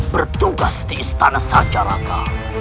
bertugas di istana sajaraka